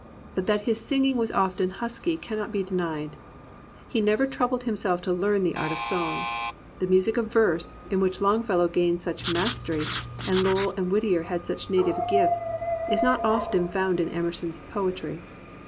But that his singing was often "husky" cannot be denied. He never troubled himself to learn the art of song. The music of verse, in which Longfellow gained such mastei;y% and Lowell and Whittier had such native gifts, is not often found in Emerson's poetry.